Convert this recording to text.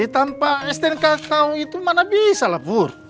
tanpa stnk kau itu mana bisa lah pur